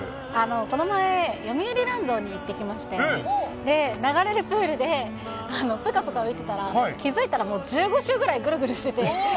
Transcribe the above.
この前、よみうりランドに行ってきまして、流れるプールで、ぷかぷか浮いてたら、気付いたら、もう１５周ぐらいぐるぐるしてて。